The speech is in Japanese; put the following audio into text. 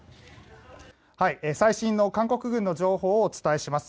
最新の韓国軍の情報をお伝えします。